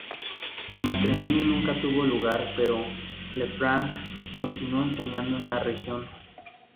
El matrimonio nunca tuvo lugar pero Le Franc continuó enseñando en la región.